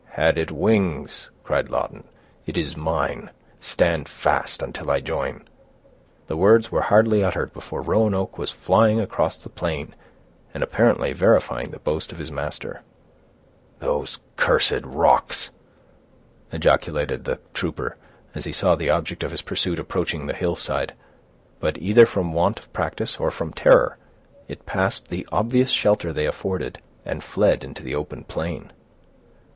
"Had it wings," cried Lawton, "it is mine; stand fast, until I join." The words were hardly uttered before Roanoke was flying across the plain, and apparently verifying the boast of his master. "Those cursed rocks!" ejaculated the trooper, as he saw the object of his pursuit approaching the hillside; but, either from want of practice or from terror, it passed the obvious shelter they offered, and fled into the open plain.